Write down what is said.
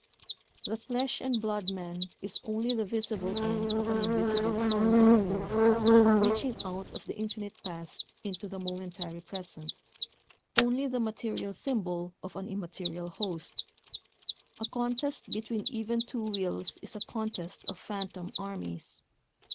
The flesh and blood man is only the visible end of an invisible column of force reaching out of the infinite past into the momentary present, only the material Symbol of an immaterial host. A contest between even two wills is a contest of phantom armies.